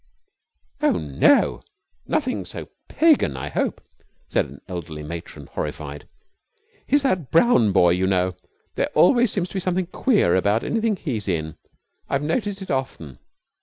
"Oh, no, nothing so pagan, I hope," said an elderly matron, horrified. "He's that Brown boy, you know. There always seems to be something queer about anything he's in. I've noticed it often.